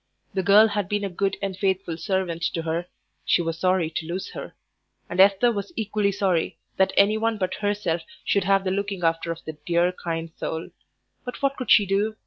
The girl had been a good and faithful servant to her; she was sorry to lose her. And Esther was equally sorry that anyone but herself should have the looking after of that dear, kind soul. But what could she do?